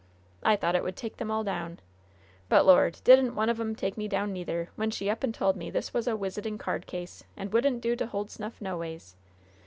I thought it would take them all down. But, Lord! didn't one of 'em take me down, neither, when she up and told me as this was a wisitin' cardcase, and wouldn't do to hold snuff noways?